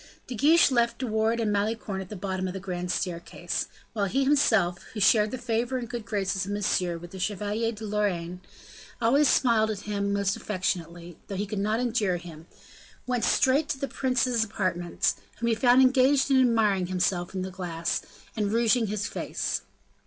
De Guiche left De Wardes and Malicorne at the bottom of the grand staircase, while he himself, who shared the favor and good graces of Monsieur with the Chevalier de Lorraine, who always smiled at him most affectionately, though he could not endure him, went straight to the prince's apartments, whom he found engaged in admiring himself in the glass, and rouging his face.